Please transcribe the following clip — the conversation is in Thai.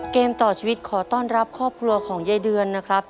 เกมต่อชีวิตขอต้อนรับครอบครัวของยายเดือนนะครับ